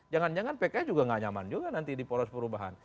jangan jangan pks juga nggak nyaman juga nanti di poros perubahan